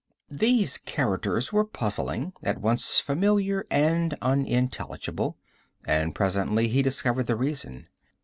These characters were puzzling, at once familiar and unintelligible, and presently he discovered the reason.